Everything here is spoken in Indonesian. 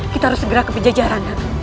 kita harus segera ke penjajahan